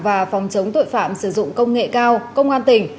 và phòng chống tội phạm sử dụng công nghệ cao công an tỉnh